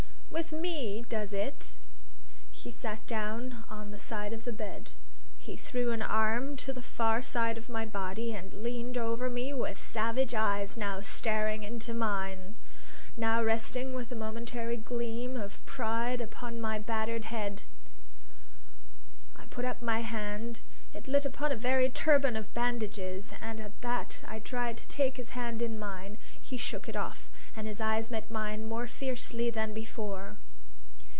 "With me, does it?" He sat down on the side of the bed. He threw an arm to the far side of my body, and he leaned over me with savage eyes now staring into mine, now resting with a momentary gleam of pride upon my battered head. I put up my hand; it lit upon a very turban of bandages, and at that I tried to take his hand in mine. He shook it off, and his eyes met mine more fiercely than before.